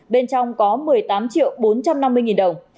bên trong có một mươi tám triệu bốn trăm năm mươi nghìn đồng